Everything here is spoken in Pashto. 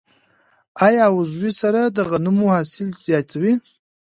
آیا عضوي سره د غنمو حاصل زیاتوي؟